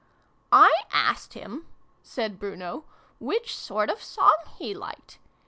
"I asked him," said Bruno, "which sort of song he liked.